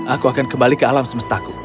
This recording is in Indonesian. aku akan kembali ke alam semestaku